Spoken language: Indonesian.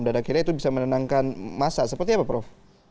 dan akhirnya itu bisa menenangkan masa seperti apa prof